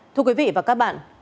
thưa quý vị và các bạn